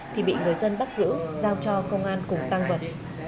thì bị người dân bắt giữ giao cho công an cùng tăng vật